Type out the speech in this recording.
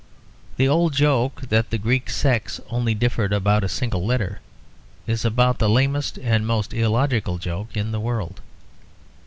The old joke that the Greek sects only differed about a single letter is about the lamest and most illogical joke in the world.